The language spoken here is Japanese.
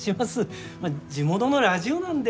まあ地元のラジオなんで。